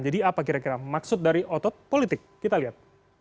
jadi apa kira kira maksud dari otot politik kita lihat